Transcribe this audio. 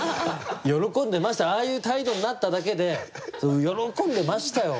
ああいう態度になっただけで喜んでましたよ。